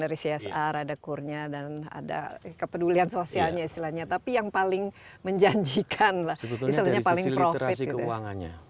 dari csr ada kurnya dan ada kepedulian sosialnya istilahnya tapi yang paling menjanjikan lah